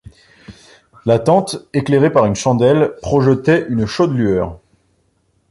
La tente, éclairée par une chandelle, projetait une lueur chaude.